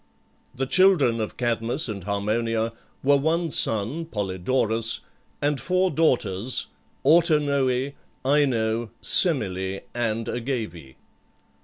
The children of Cadmus and Harmonia were one son, Polydorus, and four daughters, Autonoe, Ino, Semele, and Agave.